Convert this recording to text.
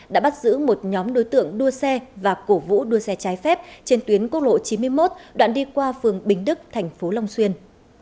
đã bắt giữ một nhóm đối tượng đua xe và cổ vũ đua xe trái phép trên tuyến quốc lộ chín mươi một đoạn đi qua phường bình đức thành phố long xuyên